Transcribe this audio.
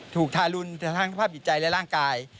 ถูกทารุณทั้งภาพอิจัยและร่างกาย